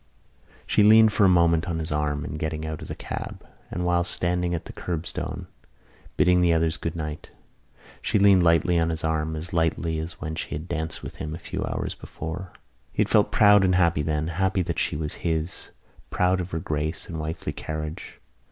She leaned for a moment on his arm in getting out of the cab and while standing at the curbstone, bidding the others good night. She leaned lightly on his arm, as lightly as when she had danced with him a few hours before. He had felt proud and happy then, happy that she was his, proud of her grace and wifely carriage.